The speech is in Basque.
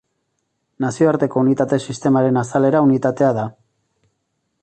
Nazioarteko Unitate Sistemaren azalera unitatea da.